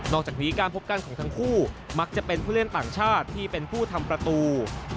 อกจากนี้การพบกันของทั้งคู่มักจะเป็นผู้เล่นต่างชาติที่เป็นผู้ทำประตู